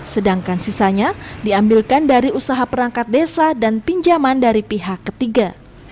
sedangkan sisanya diambilkan dari usaha perangkat desa dan pinjaman dari pihak ketiga